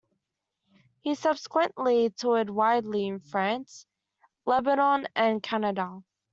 He subsequently toured widely in France, Lebanon and Canada.